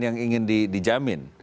yang ingin dijamin